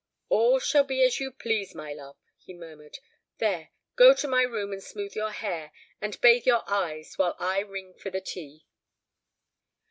"All shall be as you please, my love," he murmured. "There, go into my room, and smooth your hair, and bathe your eyes, while I ring for the tea."